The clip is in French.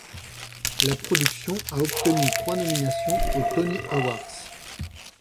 La production a obtenu trois nominations aux Tony Awards.